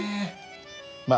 まあ